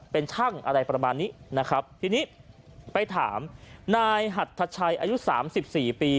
เป็นช่างอะไรประมาณนี้นะครับทีนี้ไปถามนายหัทชัยอายุสามสิบสี่ปี